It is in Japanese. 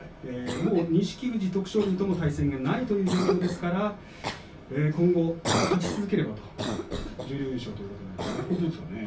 錦富士と徳勝龍とも対戦がないという状況ですから今後、勝ち続ければという十両優勝ということです。